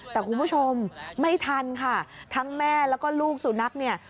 แต่คุณผู้ชมไม่ทันค่ะทั้งแม่แล้วก็ลูกสุนัขเนี่ย